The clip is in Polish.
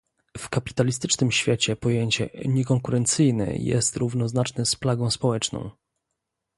W kapitalistycznym świecie pojęcie "niekonkurencyjny" jest równoznaczne z plagą społeczną